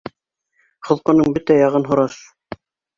Холҡоноң бөтә яғын һораш.